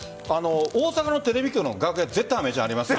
大阪のテレビ局の楽屋絶対飴ちゃんあります。